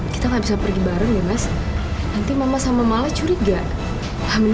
kamu pergi duluan